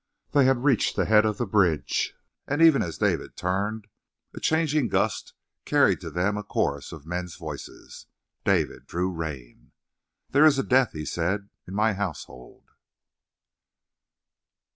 They had reached the head of the bridge, and even as David turned a changing gust carried to them a chorus of men's voices. David drew rein. "There is a death," he said, "in my household."